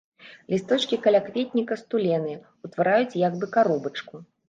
Лісточкі калякветніка стуленыя, утвараюць як бы каробачку.